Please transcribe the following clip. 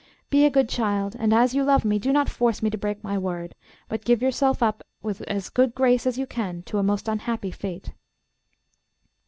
Be a good child, and as you love me, do not force me to break my word, but give yourself up with as good grace as you can to a most unhappy fate.